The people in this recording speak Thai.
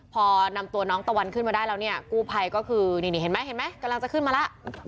พอนำตัวน้องตะวันขึ้นมาได้แล้วเนี่ยกู้ภัยก็คือนี่เห็นไหมเห็นไหมกำลังจะขึ้นมาแล้ว